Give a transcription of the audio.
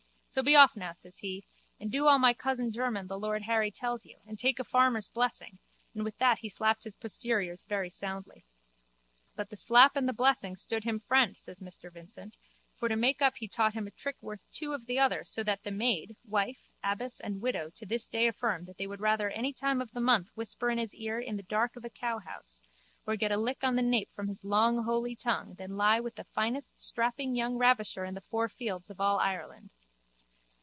So be off now, says he, and do all my cousin german the lord Harry tells you and take a farmer's blessing, and with that he slapped his posteriors very soundly. But the slap and the blessing stood him friend, says Mr Vincent, for to make up he taught him a trick worth two of the other so that maid, wife, abbess and widow to this day affirm that they would rather any time of the month whisper in his ear in the dark of a cowhouse or get a lick on the nape from his long holy tongue than lie with the finest strapping young ravisher in the four fields of all Ireland.